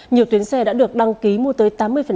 nhiều tuyến xe đã được đăng ký mua tới tám mươi